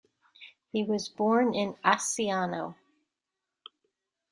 He was born in Asciano.